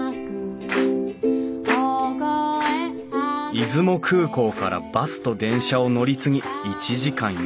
出雲空港からバスと電車を乗り継ぎ１時間４５分。